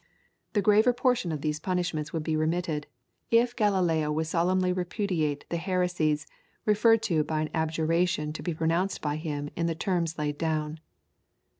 The graver portion of these punishments would be remitted, if Galileo would solemnly repudiate the heresies referred to by an abjuration to be pronounced by him in the terms laid down.